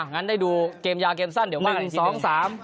งั้นได้ดูเกมยาวเกมสั้นเดี๋ยวว่ากันสองสาม